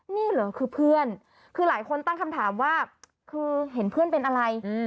นี่เหรอคือเพื่อนคือหลายคนตั้งคำถามว่าคือเห็นเพื่อนเป็นอะไร